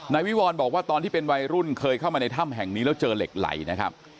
นายวิวรบอกว่าตอนที่เป็นวัยรุ่นเคยเข้ามาในถ้ำแห่งนี้แล้วเจอเหล็กไหลนะครับ